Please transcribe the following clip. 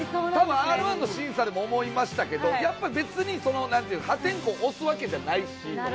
Ｒー１の審査でも思いましたけど、やっぱり別に破天荒推すわけじゃないしとか。